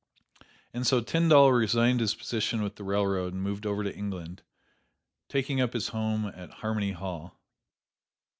And so Tyndall resigned his position with the railroad and moved over to England, taking up his home at "Harmony Hall."